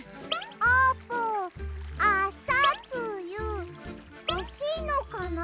あーぷんあさつゆほしいのかな？